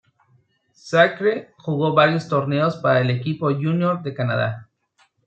Sacre jugó varios torneos para el equipo junior de Canadá.